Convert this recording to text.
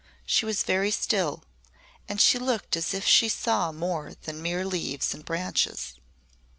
She was very still, and she looked as if she saw more than mere leaves and branches.